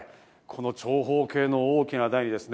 長方形の大きな台ですね。